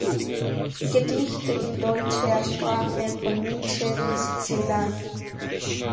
Gedichte in deutscher Sprache von Nietzsche bis Celan".